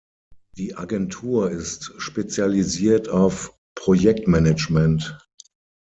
Die Agentur ist spezialisiert auf Projektmanagement.